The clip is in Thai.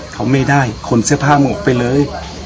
เขาไม่ได้ขนเสื้อผ้าหมดไปเลย